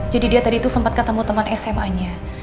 jadi dia tadi tuh sempet ketemu teman sma nya